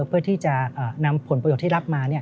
เพื่อที่จะนำผลประโยชน์ที่รับมา